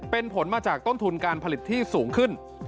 เป็นผลมาจากต้นทุนการผลิตที่สูงขึ้น